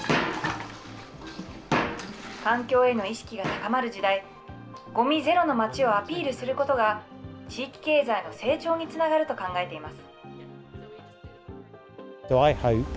環境への意識が高まる時代、ごみゼロの町をアピールすることが、地域経済の成長につながると考えています。